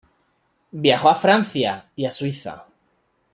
Viajó a Francia y a Suiza.